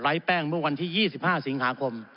แป้งเมื่อวันที่๒๕สิงหาคม